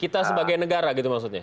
kita sebagai negara gitu maksudnya